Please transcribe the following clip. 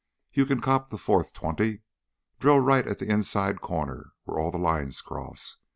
You can cop the fourth twenty, drill right at the inside corner, where all the lines cross.